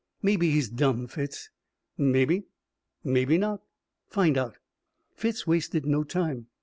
"Mebbe he's dumb, Fitz." "Mebbe. Mebbe not." "Find out." Fitz wasted no time.